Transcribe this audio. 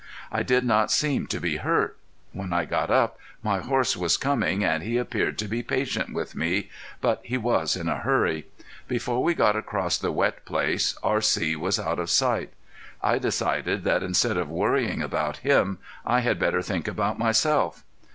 I did not seem to be hurt. When I got up my horse was coming and he appeared to be patient with me, but he was in a hurry. Before we got across the wet place R.C. was out of sight. I decided that instead of worrying about him I had better think about myself.